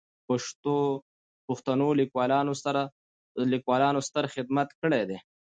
پښتنو لیکوالانو ستر خدمات کړي دي.